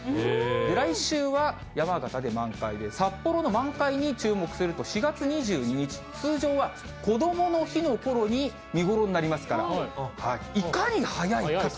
来週は山形で満開で、札幌の満開に注目すると、４月２２日、通常はこどもの日のころに見頃になりますから、いかに早いかと。